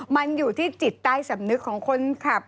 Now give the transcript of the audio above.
มันอยู่ที่จิตใต้สำนึกของคนขับ